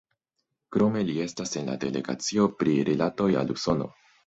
Krome li estas en la delegacio pri rilatoj al Usono.